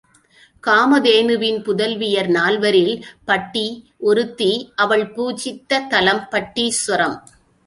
காமதேனுவின் புதல்வியர் நால்வரில் பட்டி ஒருத்தி, அவள் பூஜித்த தலம் பட்டீச்சுரம்.